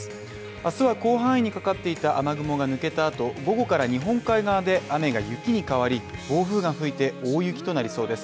明日は広範囲にかかっていた雨雲が抜けた後、午後から日本海側で雨が雪に変わり、暴風が吹いて大雪となりそうです。